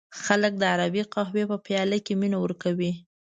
خلک د عربی قهوې په پیاله کې مینه ورکوي.